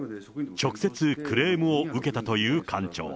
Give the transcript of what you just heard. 直接、クレームを受けたという館長。